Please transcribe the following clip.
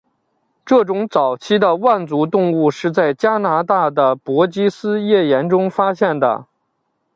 这种早期的腕足动物是在加拿大的伯吉斯页岩中发现的。